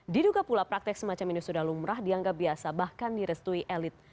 diduga pula praktek semacam ini sudah lumrah dianggap biasa bahkan direstui elit